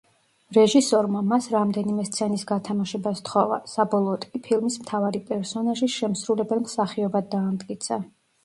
რეჟისორმა მას რამდენიმე სცენის გათამაშება სთხოვა, საბოლოოდ კი ფილმის მთავარი პერსონაჟის შემსრულებელ მსახიობად დაამტკიცა.